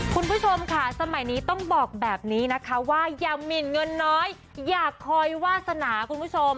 คุณผู้ชมค่ะสมัยนี้ต้องบอกแบบนี้นะคะว่าอย่าหมินเงินน้อยอย่าคอยวาสนาคุณผู้ชม